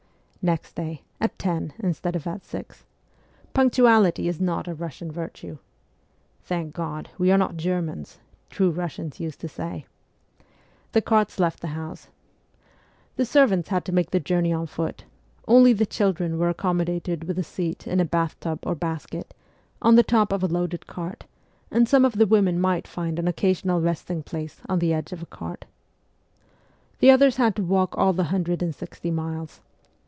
Next day, at ten instead of at six punctuality is not a Russian virtue (' Thank God, we are not Germans,' true Russians used to say), the carts left the house. The servants had to make the journey on foot ; only the children were accommodated with a seat in a bath CHILDHOOD 47 tub or basket, on the top of a loaded cart, and some of the women might find an occasional resting place on the ledge of a cart. The others had to walk all the hundred and sixty miles.